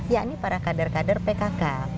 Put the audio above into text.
ya ini para kader kader pkk